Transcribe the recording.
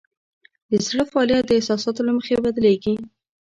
د زړه فعالیت د احساساتو له مخې بدلېږي.